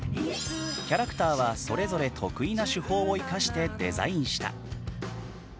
キャラクターはそれぞれ得意な手法を生かしてデザインした。